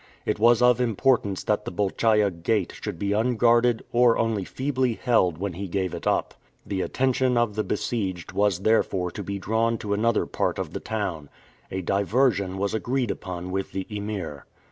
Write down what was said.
It was of importance that the Bolchaia Gate should be unguarded or only feebly held when he gave it up. The attention of the besieged was therefore to be drawn to another part of the town. A diversion was agreed upon with the Emir.